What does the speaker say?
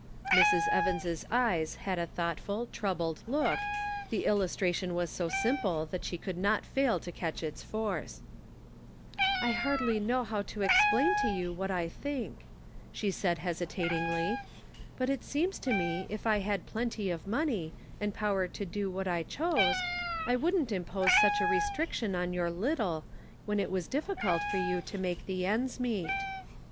Mrs. Evans' eyes had a thoughtful, troubled look, the illustration was so simple that she could not fail to catch its force. " I hardly know how to explain to you what Subtle Distinctions. 139 I think," she said hesitatingly. " But it seems to me if I had plenty of money, and power to do what I chose, I wouldn't impose such a restriction on your little, when it was difficult for you to make the ends meet."